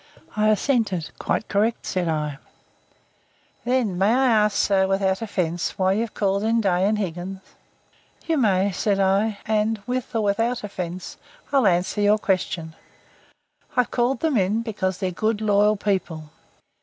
I assented. "Quite correct," said I. "Then, may I ask, sir, without offence, why you've called in Day & Higgins?" "You may," said I, "and, with or without offence, I'll answer your question. I've called them in because they're good loyal people.